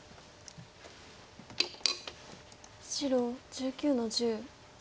白１９の十取り。